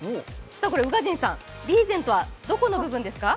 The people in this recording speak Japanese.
宇賀神さん、リーゼントはどこの部分ですか？